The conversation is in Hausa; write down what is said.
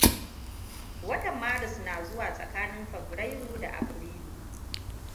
Watan Maris na zuwa tsakanin Fabrairu da Afrilu.